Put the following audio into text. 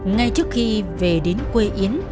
ngay trước khi về đến quê yến